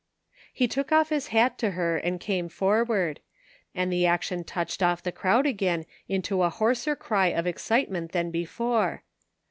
He took off his hat to her and came forward, and the action touched off the crowd again into a hoarser cry of excitement than before.